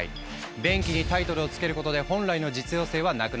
「便器にタイトルをつけることで本来の実用性はなくなった。